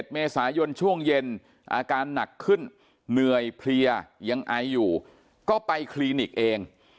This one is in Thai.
เมษายนช่วงเย็นอาการหนักขึ้นเหนื่อยเพลียยังไออยู่ก็ไปคลินิกเอง